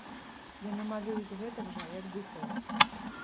Яны малююць гэтак жа як дыхаюць.